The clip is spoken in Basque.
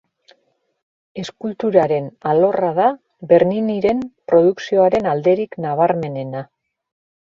Eskulturaren alorra da Berniniren produkzioaren alderik nabarmenena.